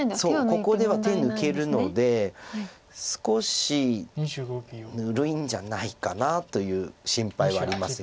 ここでは手抜けるので少しぬるいんじゃないかなという心配はあります